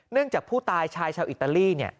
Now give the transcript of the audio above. เนื่องจากผู้ตายชายชาวอิตาลี